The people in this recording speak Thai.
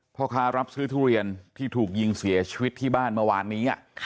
พ่อค้ารับซื้อทุเรียนที่ถูกยิงเสียชีวิตที่บ้านเมื่อวานนี้